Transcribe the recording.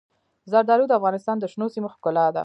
زردالو د افغانستان د شنو سیمو ښکلا ده.